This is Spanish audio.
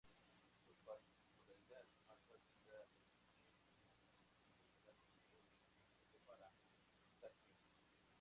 Su particularidad más básica reside en un instrumental único y específico para tal fin.